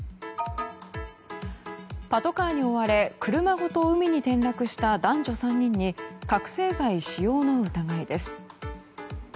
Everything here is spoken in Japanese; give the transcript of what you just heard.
パトカーに追われ車ごと海に転落した男女３人に覚醒剤使用の疑いです。